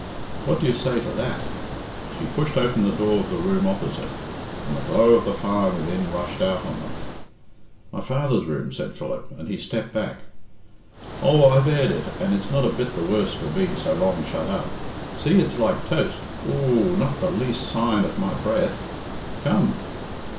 _ What do you say to that?" She pushed open the door of the room opposite, and the glow of the fire within rushed out on them. "My father's room," said Philip, and he stepped back. "Oh, I've aired it, and it's not a bit the worse for being so long shut up. See, it's like toast Oo oo oo! Not the least sign of my breath. Come!"